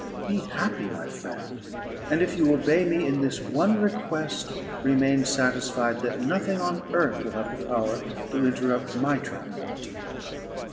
Be happy, my friend; and if you obey me in this one request, remain satisfied that nothing on earth will have the power to interrupt my tranquillity.